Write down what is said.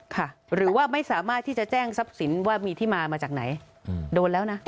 ค่ะหรือว่าไม่สามารถที่จะแจ้งทรัพย์สินว่ามีที่มามาจากไหนโดนแล้วนะ